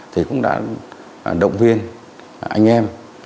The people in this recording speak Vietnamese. thì cũng đã động viên anh em